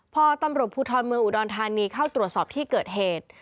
พอตำรวจภูทรเมืองอุดรธานีเข้าตรวจสอบที่เกิดเหตุ